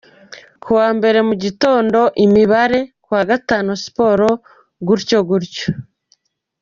Kuwa Mbere mu gitondo imibare, kuwa Gatanu siporo gutyo gutyo.